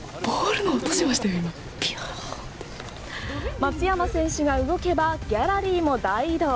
松山選手が動けばギャラリーも大移動。